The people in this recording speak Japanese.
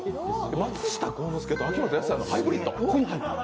松下幸之助と秋元康のハイブリッド！？